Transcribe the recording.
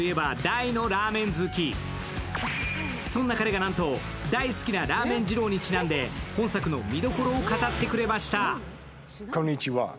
そんな彼がなんと大好きなラーメン二郎にちなんで本作の見どころを語ってくれました。